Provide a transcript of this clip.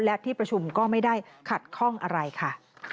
และที่ประชุมก็ไม่ได้ขัดข้องอะไรค่ะ